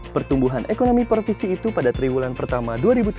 pertumbuhan ekonomi provinsi itu pada triwulan pertama dua ribu tujuh belas